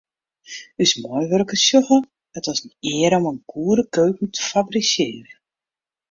Us meiwurkers sjogge it as in eare om in goede keuken te fabrisearjen.